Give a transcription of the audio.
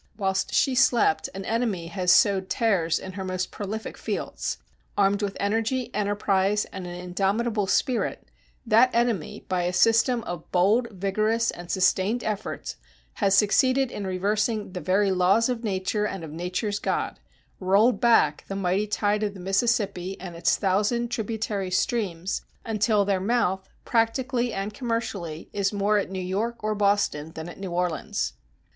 ... Whilst she slept, an enemy has sowed tares in her most prolific fields. Armed with energy, enterprise, and an indomitable spirit, that enemy, by a system of bold, vigorous, and sustained efforts, has succeeded in reversing the very laws of nature and of nature's God, rolled back the mighty tide of the Mississippi and its thousand tributary streams, until their mouth, practically and commercially, is more at New York or Boston than at New Orleans."